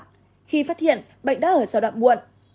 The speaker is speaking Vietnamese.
khi phát hiện bệnh đã ở sau đoạn buộn